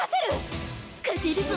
勝てるぞ。